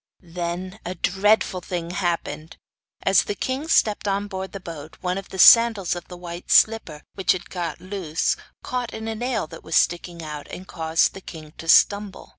Then a dreadful thing happened. As the king stepped on board the boat one of the sandals of the white slipper, which had got loose, caught in a nail that was sticking out, and caused the king to stumble.